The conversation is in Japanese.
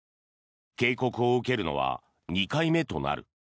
警告を受けるのは２回目となる。